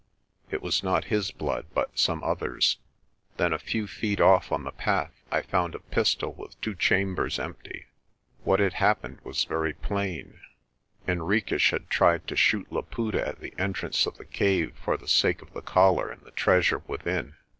It was not his blood but some other's. Then a few feet off on the path I found a pistol with two chambers empty. What had happened was very plain. Henriques had tried to shoot Laputa at the entrance of the cave for the sake of the collar and the treasure within.